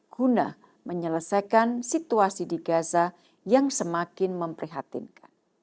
guna menyelesaikan situasi di gaza yang semakin memprihatinkan